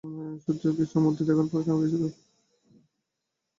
সত্যিই, ও কৃষ্ণের মূর্তি দেখার পরে থেমে গেছিলো?